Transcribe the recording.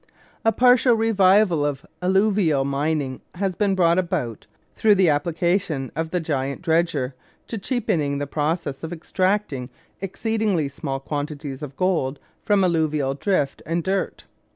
A partial revival of alluvial mining has been brought about through the application of the giant dredger to cheapening the process of extracting exceedingly small quantities of gold from alluvial drift and dirt.